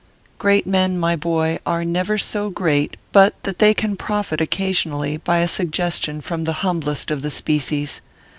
Great men, my boy, are never so great but that they can profit occasionally by a suggestion from the humblest of the species.